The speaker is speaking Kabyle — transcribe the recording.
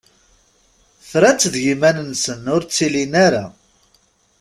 Fran-tt d yiman-nsen, ur ttilin ara.